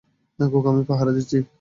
খোকা, আমি পাহারা দিচ্ছি।